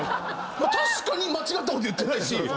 確かに間違ったこと言ってない。